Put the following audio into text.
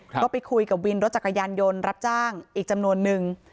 ก็ไปคุยกับวินรถจักรยานยนต์รับจ้างอีกจำนวนนึง